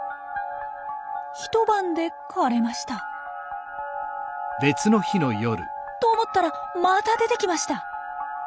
一晩で枯れました。と思ったらまた出てきました。